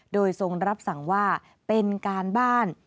โดยทรงรับสั่งว่าเป็นการบ้าน